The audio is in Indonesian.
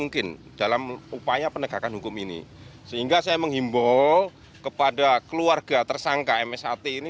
kita ikuti bersama